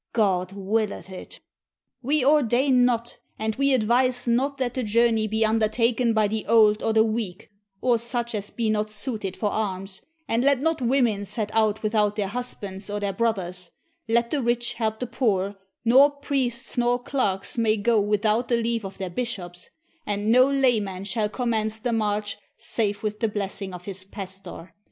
God willeth it !' We ordain not, and we advise not that the journey be undertaken by the old or the weak, or such as be not suited for arms, and let not women set out without their husbands or their brothers: let the rich help the poor; nor priests nor clerks may go without the leave of their bishops; and no lay man shall commence the march save with the blessing of his pastor.